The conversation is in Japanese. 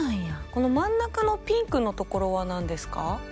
この真ん中のピンクのところは何ですか？